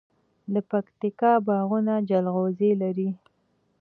د پکتیکا باغونه جلغوزي لري.